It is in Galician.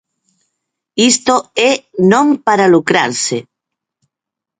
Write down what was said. Isto é non para lucrarse.